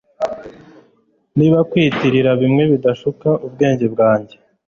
niba kwiyitirira bimwe bidashuka ubwenge bwanjye